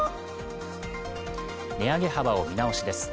値上げ幅を見直しです。